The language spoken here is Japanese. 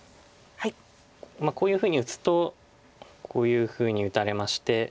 こういうふうに打つとこういうふうに打たれまして。